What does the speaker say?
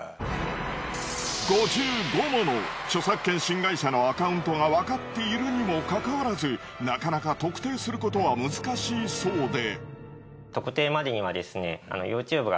５５もの著作権侵害者のアカウントはわかっているにもかかわらずなかなか特定することは難しいそうで。